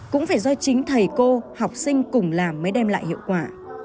cũng phải do chính thầy cô học sinh cùng làm mới đem lại hiệu quả